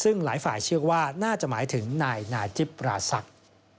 ซึ่งหลายฝ่ายเชื่อว่าน่าจะหมายถึงนายนาจิปราศักดิ์